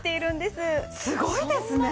すごいですね！